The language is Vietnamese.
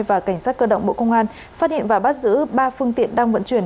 và cảnh sát cơ động bộ công an phát hiện và bắt giữ ba phương tiện đang vận chuyển